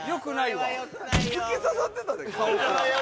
突き刺さってたで顔から。